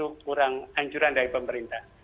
kurang anjuran dari pemerintah